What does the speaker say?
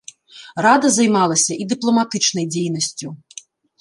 Рада займалася і дыпламатычнай дзейнасцю.